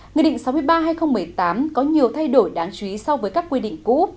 nghị định sáu mươi ba hai nghìn một mươi tám có nhiều thay đổi đáng chú ý so với các quy định cũ